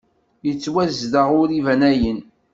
Yettwazdeɣ ur iban ayen!